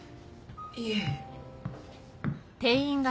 いえ。